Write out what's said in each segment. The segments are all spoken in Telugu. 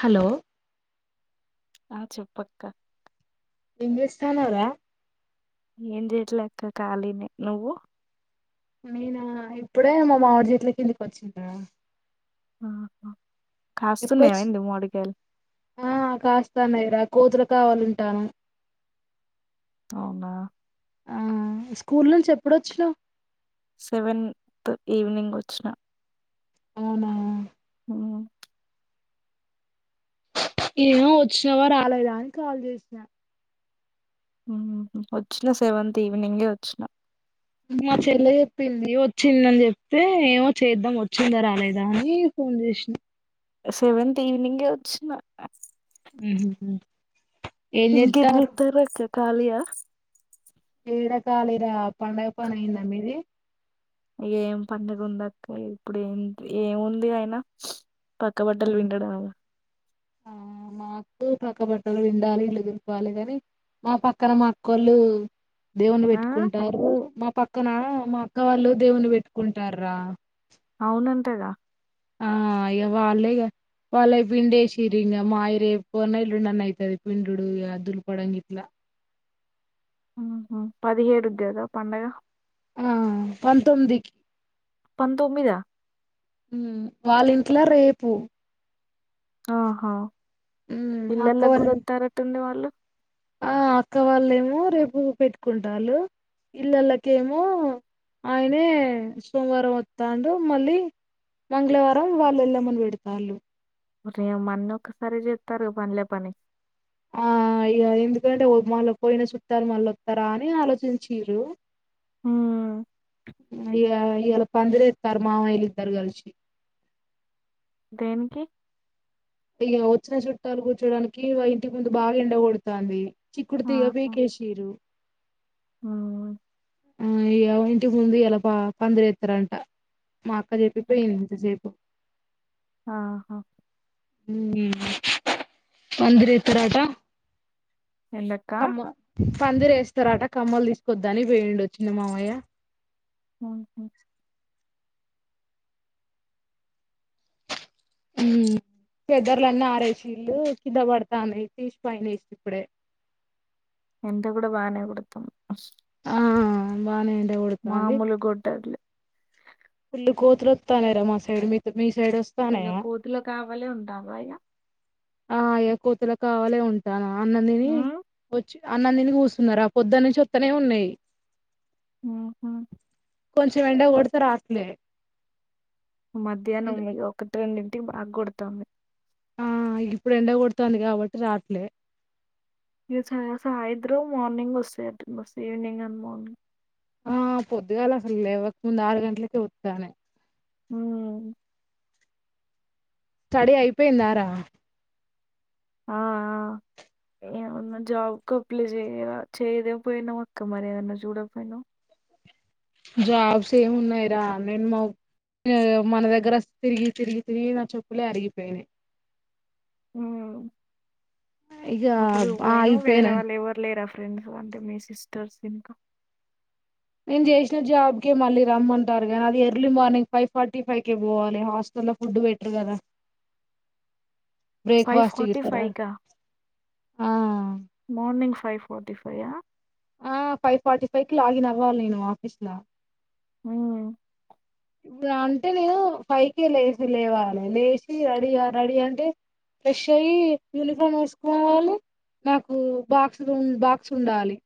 హలో ఆ చెప్పు అక్క ఎం చేస్తాన్నావ్ రా ఏం చేయట్లేె అక్క ఖాళీనే నువ్వు నేనా ఇప్పుడే మా మామిడి చెట్ల కిందికి వచ్చినా రా ఆహా కాస్తున్నాయా ఎప్పుడొచ్చు ఏంది మామిడికాయలు ఆ కాస్తాన్నాయి రా కోతులు కావాలి ఉంటన్న అవునా ఆ స్కూల్ నుంచి ఎప్పుడొచ్చునావు సెవెన్త్ ఈవినింగ్ వచ్చిన అవునా ఉమ్ ఏమో వచ్చినవా రాలేదా అని కాల్ చేసినా ఉహు వచ్చినా సెవెంత్ ఈవనింగే వచ్చినా మా చెల్ల చెప్పింది వచ్చిందని చెప్తే ఏమో చేద్దాం వచ్చిందా రాలేదా అని ఫోన్ చేసిన సెవెంత్ ఈవినింగ్ ఏ వచ్చిన మ్మ్ మ్ హు ఇంకేం చెత్తంలక్క కాలిగా పీరిలా పండగ పని అయిందా మీది ఏం పండగ ఉందక్క ఇప్పుడు ఏం ఏముంది అయినా పక్క ఆ బట్టలు పిండడమైంది ఆ మావి పక్క బట్టలు పిండాలి ఇల్లు దూలపాలి మా పక్కన మా అక్కోళ్ళు దేవున్ని ఆ పెట్టుకుంటారు మా పక్కన మా అక్క వాళ్ళు దేవున్ని పెట్టుకుంటున్నారు రా అవునంటగా ఆ ఇగా వాల్లేగా వాళ్ళయ్ పిండేసింరిగా రింగ మాయి రేపు అన్న ఎల్లుండన్నా అయితది పిండుడు ఇగా దులపడం గిట్లా పదిహేడు కు గదా పండగ ఆ పంతొమ్మిదికి పంతొమ్మిద వాళ్ళింట్ల రేపు ఆహా మ్ అక్క ఇల్లల్లో కి వాళ్ళ వత్తారాట్టు ఉంది వాళ్ళు ఆ అక్క వాళ్ళేమో రేపు పెట్టుకుంటాల్లు ఇల్లలకేమో ఆయనే సోమవారం వత్తాండు మళ్ళీ మంగళవారం వాళ్ళు ఎల్లమ్మ ను పెడుతళ్ళు రెహమాన్న ఒకసారే చెత్తరు పనిల పని ఆ ఎందుకంటే మళ్ళా పోయిన చుట్టాలు మళ్ళ వస్తారా అని ఆలోచించ్చిన్రు ఉమ్ అ ఇగా ఇయలా పందరేస్తాన్రు మామయ్యలు ఇద్దరు కలిసి దేనికి ఇగ వచ్చిన చుట్టాలు కూర్చోడానికి ఇంటి ముందు బాగా ఎండగొడుతంది చిక్కుడు తీగా పికేేసారు మ్మ్ హ్ ఆ ఇగా ఇంటి ముందు ఇయలా పందరి వేస్తారంట మా అక్క ఎండక- చెప్పిపోయింది ఇంతసేపు ఆహా మ్మ్ హ్హ్ పందిరి ఎత్తారట ఎంది అక్క పందిరెస్తారట కమ్మలు తీసుకురావడానికి పోయిండు చిన్న మామయ్య మ్మ్ హ్ మ్మ్ చేద్దర్లాన్ని ఆరేషీల్లు కిందబడుతన్నాయ్ తీసి పైన వేసినా ఇప్పుడే ఎండ కూడా బానే కొడుతుంది ఆ బాగానే వేడి మామూలుగా కొట్టట్లే ఫుల్లు కోతులు వొత్తన్నాయ్ రా మా సైడ్ మీకు ఇగ కోతుల కావాలే ఉంటనవా ఇగా ఆ ఇగ కోతుల కావాలే ఉంటాన అన్నం తిని ఉమ్ వచ్చి అన్నం తిని కూర్చున్న రా పొద్దనుంచి వత్తనే ఉన్నాయి మ్మ్ హ్ కొంచెం ఎండ కొడితే రావట్లే మధ్యాహ్నం ఒకటి రెండింటికి బాగా కొడుతంది ఆ ఇప్పుడు ఎండ కొడుతంది కాబట్టి రాట్లే ఇగ సాయంత్రం మార్నింగ్ వస్తాయండి మస్తు ఈవినింగ్ అండ్ మార్నింగ్ ఆ పొద్దుగాల అసలు లేవకముందు ఆరు గంటలకే వత్తన్నాయ్ ఊ స్టడీ అయిపోయిందా రా ఆ ఆ ఏమన్నా జాబ్ కు అప్లై చేయ చేయద పోయినావు అక్క మరి ఏదన్నా చూడకపోయినావు జాబ్స్ ఏమి ఉన్నాయి రా నేను మా మన దగ్గర తిరిగి తిరిగి తిరిగి నా చప్పులే అరిగిపోయినాయి ఉమ్ ఇక అప్పుడు పోయినవుగా ఆగిపోయినా హైదరాబాదులో ఎవరు లేరా ఫ్రెండ్స్ అంటే మీ సిస్టర్స్ ఇంకా నేను చేసిన జాబ్కే మళ్ళీ రమ్మంటారు కానీ అది early morning five forty five కే పోవాలి హాస్టల్ లో ఫు డువేటర్ కదా బ్రేక్ ఫైవ్ ఫాస్ట్ కి ఫార్టీ ఇత్తరా ఫైవ్ కా ఆ ఆ మార్నింగ్ ఫైవ్ ఫోర్టీ ఫై ఆ ఆ ఫైవ్ ఫార్టీ ఫైవ్ కి లాగిన్ అవ్వాలి నేను ఆఫీస్ ఊ ఇప్పుడు అంటే నేను ఫైకే లేచి లేవాలి లేచి రెడీ రెడీ అంటే ఫ్రెష్ అయ్యి యూనిఫామ్ వేసుకోవాలి నాకు బాక్స్ బాక్స్ ఉండాలి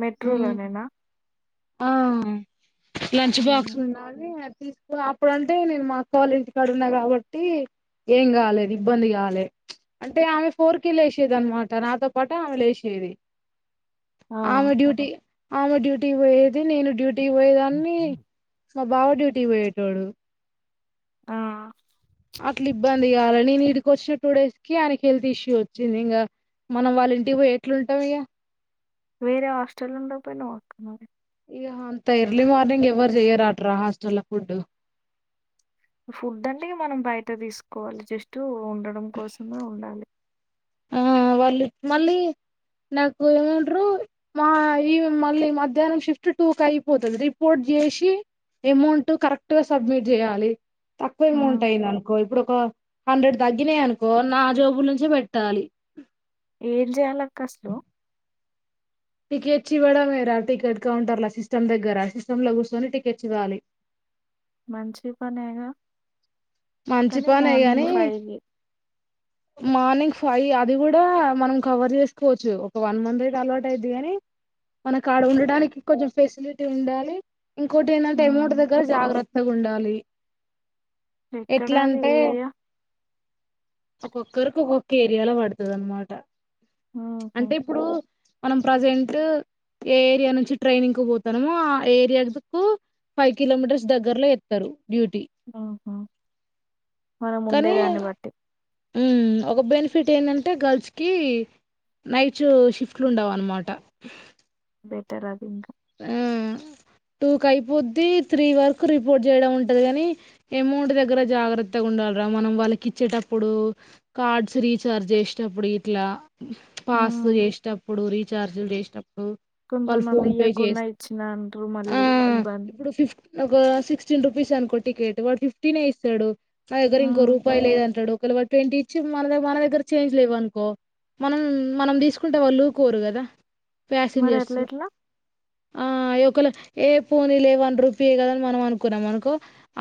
మెట్రోలోనేనా ఆ లంచ్ బాక్స్ ఉమ్, ఉండాలి తీసుకున్న అప్పుడంటే నేను మా అక్క వాళ్ల ఇంటి కాడ ఉన్నా కాబట్టి ఏం కాలేదు ఇబ్బంది కాలే అంటే ఆమె ఫోర్ కే కే లేసేది అన్నమాట నాతో పాటు ఆమె లేసేది ఇది ఆ, ఆమె డ్యూటీ ఆమె డ్యూటీ పోయేది నేను డ్యూటీకి పోయేదాన్ని మా బావ డ్యూటీకి పోయేటోడు ఆ అట్లా ఇబ్బంది కాల నేను ఇడికి వచ్చిన టూ డేస్ కి ఆయనకి హెల్త్ ఇష్యూ వచ్చింది ఇంగ మనం వాళ్ళ ఇంటికి పో ఎట్లుంటాం ఇయ వేరీ హాస్టల్లో ఉండకపోయినవక్కా మరీ ఇ అంత ఎర్లీ మార్నింగ్ ఎవ్వరు చెయ్యరాట్ర హాస్టల్లో ఫుడ్ ఫుడ్ అంటే మనం బయట తీసుకోవాలి జస్ట్ ఉండడం కోసమే ఉండాలి ఆ వాళ్ళు మళ్ళీ నాకు ఏమండరు మా ఈ మళ్ళీ మధ్యాహ్నం షిఫ్ట్ టూకి అయిపోతది రిపోర్ట్ చేసి ఎమౌంట్ కరెక్ట్ గా సబ్మిట్ చేయాలి తక్కువ ఉమ్, అమౌంట్ అయింది అనుకో ఇప్పుడు ఒక హండ్రెడ్ తగ్గినయి అనుకో నా జోబుల నుంచే పెట్ టాలీ ఏం చేయాలక్క అసలు టికెట్స్ ఇవ్వడమే రా టికెట్ కౌంటర్ల సిస్టమ్ దగ్గర సిస్టమ్ లో కూర్చొని టికెట్స్ ఇవ్వాలి మంచి పనేగా మంచి కానీ పనే గాని మార్నింగ్ ఫైవ్కి మార్నింగ్ ఫైవ్ అది కూడా మనం కవర్ చేసుకోవచ్చు ఒక వన్ మంత్ అయితే అలవాటు అయిద్ధి అని మన కాడ ఉండడానికి కొంచెం ఫెసిలిటీ ఉండాలి ఇంకోటి ఏంటంటే అమౌంట్ దగ్గర జాగ్రత్తగా ఉన్ ఉండాలి ఎట్లా ఎక్కడాది అంటే ఏరియా ఒక్కొక్కరికి ఒక్కొక్క ఏరియాలో పడుతది అనమాట అంటే ఇప్పుడు మనం ప్రజెంట్ ఏ ఏరియా నుంచి ట్రైనింగ్ కు పోతానమో ఆ ఏరియాకు ఫైవ్ కిలోమీటర్స్ దగ్గరలో ఎత్తరు ఆహా మనం ఉండేదాన్ని బట్టి ఊమ్ ఒక బెనిఫిట్ ఏంటంటే గర్ల్స్కి నైటు షిఫ్ట్ లు ఉండవన్నమాట బెటర్ అది ఇంక ఊమ్ టూ టూకైపోద్ది త్రీ వరకు రిపోర్ట్ జేయడం ఉంటది గని ఎమౌంట్ దగ్గర జాగ్రత్తగా ఉండాల్ రా మనం వాళ్ళకి ఇచ్చేటప్పుడు కార్డ్స్ రీచార్జ్ జేసేటప్పుడు ఇట్లా పాస్ హ్మ్. చేసేటప్పుడు రీఛార్జ్ లు జేసేటప్పుడు కొంతమంది ఇయ్వకుండా ఇచ్చిన అంటారు మళ్ళీ ఇబ్బంది ఒగ సిక్స్టీన్ రుపీస్ అనుకో టికెట్ వాడు ఫిఫ్టీనే ఇస్తాడు నా దగ్గర ఇంకో హ్మ్. రూపాయి లేదంటడు ఒకవెళ వాడు ట్వంటీ ఇచ్చి మన ద మన దగ్గర చేంజ్ లేవు అనుకో మనం మనం దీసుకుంటే వాళ్ళు ఊకోరు గదా మరి ప్యాసింజర్స్ అట్లెట్లా? ఆ ఆ ఏం ఒక ఏల ఏ పోనీ లే వన్ రూపీయే గద అని మనం అనుకున్నాం అనుకో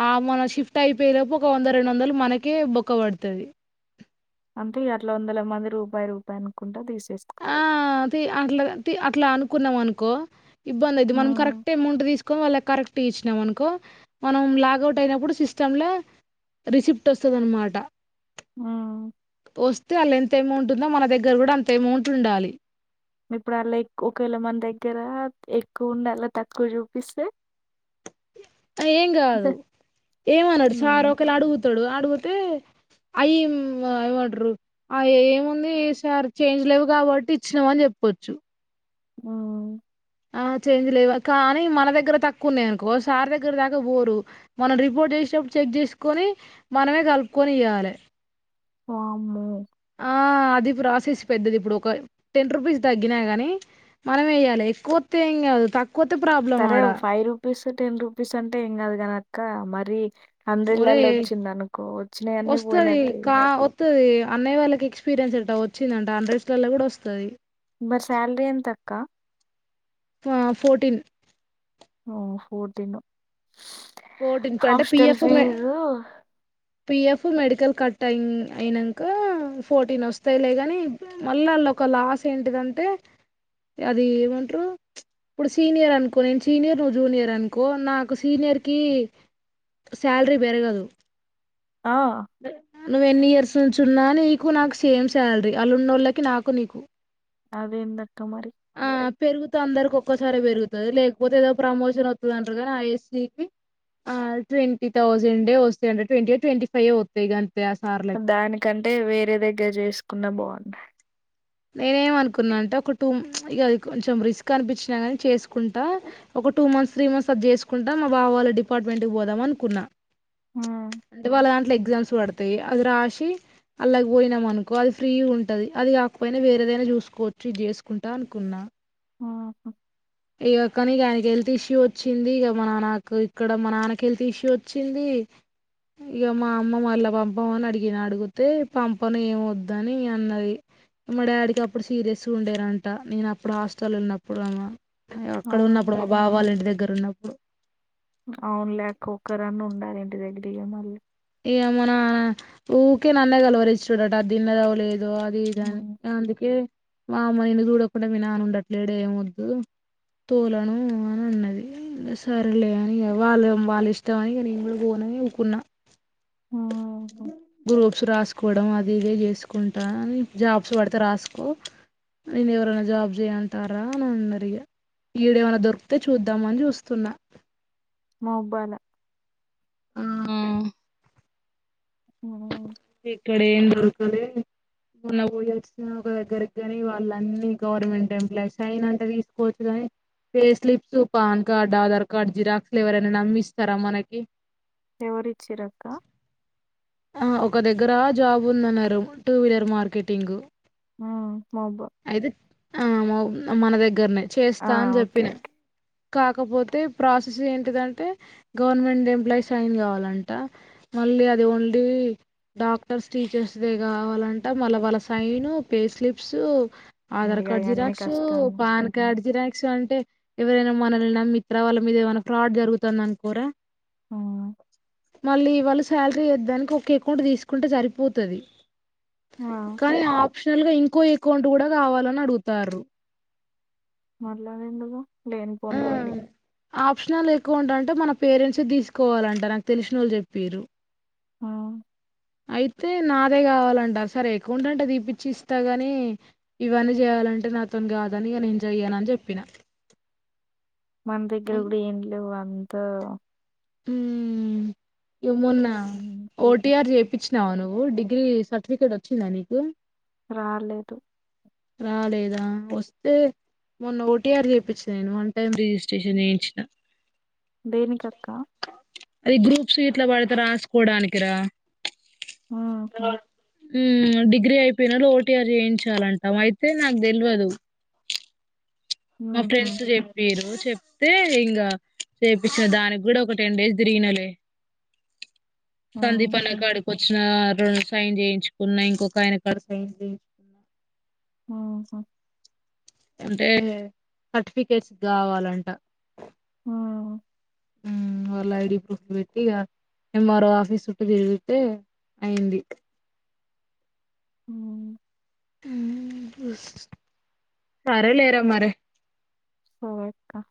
ఆ మనం షిఫ్ట్ అయిపోయెలో ఒగ వంద రెండు వందలు మనకే బొక్క బడతది అంటే ఇగ అట్ల వందల మంది రూపాయ్ రూపాయ్ అనుకుంటా దీస్ ఆ తి అట్లా అట్లా అనుకున్నాం అనుకో ఇబ్బంది అయిద్ది మనం హ్మ్. కరెక్ట్ ఎమౌంట్ తీసుకొ వాళ్ళ కరెక్ట్ గిచ్చినాం అనుకో మనం లాగౌట్ అయినప్పుడు సిస్టమ్ లా రిసిప్ట్ వస్తదనమాట హ్మ్. వస్తే ఆళ్ళ ఎంత ఎమౌంట్ ఉందో మన దగ్గర గుడా అంతే ఎమౌంట్ ఉండాలి ఇప్పుడు ఆళ్ళ గక్ ఒకవేళ మన దగ్గర ఎక్కువ ఉండల్ల తక్కువ జూపిస్తే ఏం గాదు ఏమనడు హ్మ్. సార్ ఒకేళ అడుగుతాడు అడుగుతే అయ్యి మ్ ఎమండ్రం ఆ ఏముంది సార్ చేంజ్ లేవు గాబట్టి ఇచ్చినాము అని జెప్ పొచ్చు మా ఆ చేంజ్ లేవా కానీ మన దగ్గర తక్కువ ఉన్నాయనుకో సార్ దగ్గర దాకా బోరు మనం రిపోర్ట్ జె సెటప్పుడు చెగ్ జేసుకొని మనమే గలుపుకొని ఇయ్యాలె వామ్మో ఆ అది ప్రాసెస్ పెద్దది ఇబ్బుడు ఒక టెన్ రూపీస్ తగ్గినా గాని మనమే ఇయ్యాలె ఎక్కువొత్తే ఏం గాదు తక్ సరే ఓ ఫైవ్ రూపీస్ టెన్ రూపీస్ అంటే ఏం గాదు గాదు గని అక్క మరి హండ్రెళ్లలో ఒరేయ్ వచ్చింది అనుకో వచ్చిన యన్నీ వస్తది పోయినట్టే ఇగ కా వత్తది అన్నయ వాళ్ళకి ఎక్స్పీరియన్స్ అంట వచ్చిందంట హండ్రెడ్స్ లల్లో గుడా వస్తది మరి శాలరీ ఎంత అక్క ఆ ఫోర్టీన్ ఓ ఫోర్టీను ఫోర్టీన్ పె అంటే పిఎఫ్ మే ఫీజు పిఎఫ్ మెడికల్ కట్ అయి అయినంక ఫోర్టీన్ వస్తాయ్ లేగని మళ్ళ లొక లాస్ ఏంటిదంటే అది ఏమంట్రు ఇప్పుడు సీనియర్ అనుకో నేను సీనియర్ నువ్వు జూనియర్ అనుకో నాకు సీనియర్ కి శాల్ రీ బెరగదు ఆ నువ్వ్ ఎన్ని ఇయర్స్ నిల్చున్నా నీకు నాకు సేమ్ శాలరీ అలున్నోళ్ళకి నాకు నీకు అదేందక్క మరి పెరుగుత అందరికి ఒక్కసారి పెరుగతది లేకపోతే ఏదో ప్రమోషన్ వొత్తది అంటారు గానీ ఆ ఎస్టీకి ఆ ట్వంటీ థౌసండే వస్తయట ట్వంటీ యొ ట్వంటీ ఫైవో వత్తయ్ గం దానికంటే వేరే దగ్గర జేసుకున్న బాగుండ నేనేమనుకున్నా అంటే ఒక టూ ఇది కొంచెం రిస్క్ అనిపించినా గాని చేసుకుంటా ఒక ఒక టూ మంత్స్ త్రీ మంత్స్ అది జేసుకుంట మా బావ వాళ్ళ డిపార్ట్మెంట్ కి పోదాం అనుకున్నా ఉమ్, అంటే వాళ్ళ దాంట్లో ఎక్ ఎగ్జామ్స్ పడతాయి. అది రాసి అల్లకు పోయినాం అనుకో అది ఫ్రీ ఉంటాది. అది ఆ పోయినా వేరేదైనా చూసుకోవచ్చు ఇది చేసుకుంటా అనుకున్నా ఆ ఇగ కాని ఇగ ఆయనకి హెల్త్ ఇష్యూ వచ్చింది. ఇగ మా నాన్న ఇక్కడ మా నాన్నకి హెల్త్ ఇష్యూ వచ్చింది. కి ఇగ మా అమ్మ మళ్ళా పబవ్వ ని అడిగిన అడిగితే పంపను ఏం వద్దని అన్నది మా డాడికి అప్పుడు సీరియస్ గ ఉండేనంట నేను అప్పుడు హాస్టల్ ఉన్నప్పుడు అమ్ ఆ అక్కడ ఉన్నప్పుడు మా బావా వల్ల ఇంటి దగ్గర ఉన్నప్పుడు అవునులే అక్క ఒక్కరన్న ఉండాలి ఇంటి దగ్గర ఇగ మళ్ళీ ఇగ మా నాన్న ఊకే నన్నే కల్వరించుడట అది దిన్నదో లేదో దో అది ఇది అని అందుకే మా అమ్మ నిన్ను చూడకుండ మీ నాన్న ఉండట్లేడే ఏం వద్దు తోలను అని అన్నది సరలే అని ఇగ వాళ్ళేం వాళ్ళ ఇష్టం అని నేను గూడా పోన్ అనుకున్నా గ్రూప్స్ రాసుకోవడం అది అది ఇది చేసుకుంటా అని జాబ్స్ పడితే రాసుకో నిన్ను ఎవరన్నా జాబ్ చేయంటారా అని అన్నరిగ ఈడేమైనా దొరికితే చూద్దామని చూస్తున్నా మ పన్ ఆ ఇక్కడేం దొరకలేదు. మొన్న పోయచ్చిన ఒక దగ్గరకి కాని వాళ్ళన్నీ గవర్నమెంట్ ఎంప్లాయిస్ సైన్ అంటే తీసుకోవచ్చు కాని pay slip pan card Aadhaar card జిరాక్స్లు ఎవరైనా నమ్మి ఇస్తారా మనకి ఎవరిచ్చిరక్క ఆ ఒక దగ్గర జాబ్ ఉందన్నారు టూ వీలర్ మార్కెటింగ్ ఆ మబ్ అయితే ఆ మౌ మన దగ్గరనే ఆ చేస్తా అని ఓకే చెప్పిన ఓకే కాకపోతే ప్రాసెస్ ఏంటిదంటే గవర్నమెంట్ ఎంప్లాయి సైన్ కావాలంట మళ్ళ లే అది ఓన్లీ డాక్టర్స్ టీచర్స్ దే కావాలంట మళ్ళ వాళ్ళ సైను పే స్లిప్స్ ఆధార్ ఇగ కార్డు అయన్నీ జిరాక్సు కష్టమే పాన్ కార్డ్ జిరాక్సు అంటే ఎవరైనా మనల్ని నమ్మి ఇత్తర వాళ్ళ మీద ఏమైనా ఫ్రాడ్ జరుగుతుంది అనుకోరా ఆ మళ్ళీ వాళ్ళ శాలరీ ఏద్దానికి ఒక అకౌంట్ తీసుకుంటే సరిపోతది కానీ అక్షల్ గా ఇంకో అకౌంట్ కూడా కావాలని అడుగుతార్రు మాట్లాడేదుకు లేనిపోని ఆ లొళ్ళి ఆప్షనల్ ఏకౌంట్ అంటే మన పేరెంట్స్ తీసుకోవాలంట నాకు తెలిశినోలు చెప్పిరు ఆ అయితే నాదే కావాలంట సరే ఏకౌంట్ అంటే తీపిచ్చి ఇస్తా గాని ఇవన్నీ చేయాల అంటే నాతోని కాదని ఇగ నేను జెయ్యను అని చెప్పిన మన దగ్గర అన్ కూడా ఏం లేవు అంత హమ్ యమున్నా ఓ టి ఆర్ జెప్ ఇచ్చినావా నువ్వు డిగ్రీ సర్టిఫికేట్ వచ్చిందా నీకు రాలేదు రాలేదా వస్తే మొన్న ఓ టీ ఆర్ చేపిచ్చిన నేను వన్ టైమ్ రిజిస్ట్రేషన్ చేయించిన దేనికి అక్క అది గ్రూప్స్ గిట్లా పడితే రాసుకోవడానికిరా ఆహ ఊ డిగ్రీ అయిపోయినోల్లు ఓటీఆర్ చేయించాలంటా అయితే నాకు తెల్వదు మా ఊహు ఫ్రెండ్స్ చెప్పిరు చెప్తే ఇంగ చేపిచ్చిన దానికి కూడా ఒక టెన్ డేస్ తిరిగినలే సందీపన్న హుహు. కాడికి వచ్చినా సైన్ చేయించుకున్నా ఇంకొక ఆయన కార్డు సైన్ చేయించుకున్నా ఓహో అంటే సర్టిఫికేట్స్ కావాలంట ఆ ఉ వాళ్ళ ఐడి ప్రూఫ్ పెట్టి ఇగ ఎంఆర్ఓ ఆఫీస్ చుట్టూ తిరిగితే అయింది ఉ ఉ సరే లేరా మరి సరేక్క